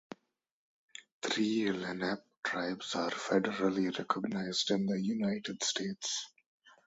Three Lenape tribes are federally recognized in the United States.